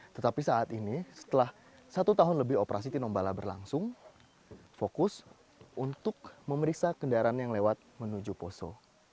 tetapi saat ini setelah satu tahun lebih operasi tinombala berlangsung fokus untuk memeriksa kendaraan yang lewat menuju poso